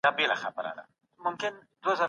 ولې ځینې خلګ د ټولنې خلاف کار کوي؟